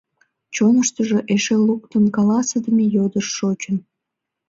Чоныштыжо эше луктын каласыдыме йодыш шочын.